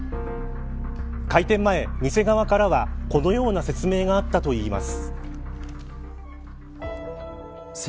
開店前、店側からはこのような説明があったといいます。